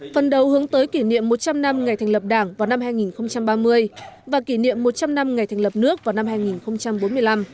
phần đầu hướng tới kỷ niệm một trăm linh năm ngày thành lập đảng vào năm hai nghìn ba mươi và kỷ niệm một trăm linh năm ngày thành lập nước vào năm hai nghìn bốn mươi năm